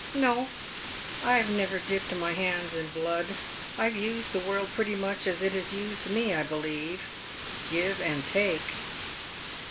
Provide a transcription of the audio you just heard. " No ; I have never dipped my hands in blood. I have used the world pretty much as it has used me, I believe — give and take."